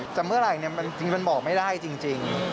แต่เมื่อไหร่จริงมันบอกไม่ได้จริง